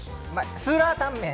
スーラータンメン。